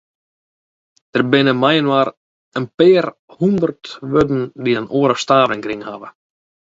Der binne mei-inoar in pear hûndert wurden dy't in oare stavering krigen hawwe.